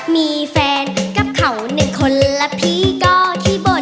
มีแฟนกับเขาหนึ่งคนและพี่ก็ที่บ่น